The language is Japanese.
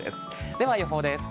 では予報です。